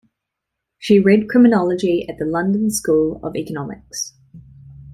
She read criminology at the London School of Economics.